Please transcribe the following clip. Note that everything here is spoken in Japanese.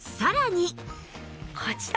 こちら！